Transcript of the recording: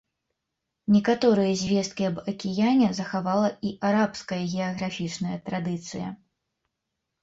Некаторыя звесткі аб акіяне захавала і арабская геаграфічная традыцыя.